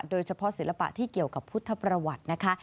ศิลปะที่เกี่ยวกับพุทธประวัตินะคะ